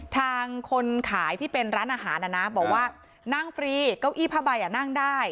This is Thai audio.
ทางคนขายที่เป็นร้านอาหารนะนะบอกว่านั่งฟรีเก้าอี้ผ้าใบนั่งได้